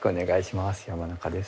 山中です。